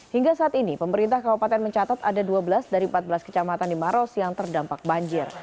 hingga saat ini pemerintah kabupaten mencatat ada dua belas dari empat belas kecamatan di maros yang terdampak banjir